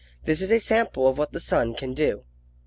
This is a sample of what the sun can do.